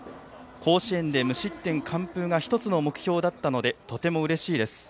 甲子園で無失点完封が１つの目標だったのでとてもうれしいです。